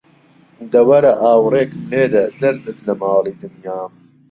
دە وەرە ئاوڕێکم لێدە، دەردت لە ماڵی دنیام